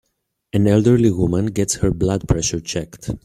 An elderly woman gets her blood pressure checked.